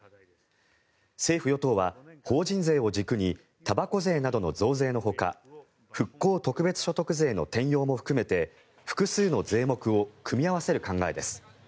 政府・与党は法人税を軸にたばこ税などの増税のほか復興特別所得税の転用も含めて複数の税目を組み合わせる考えです。